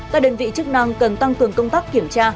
các đơn vị chức năng cần tăng cường công tác kiểm tra